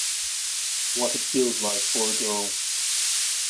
What it feels like for a girl.